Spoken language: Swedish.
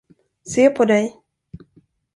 Se på dig.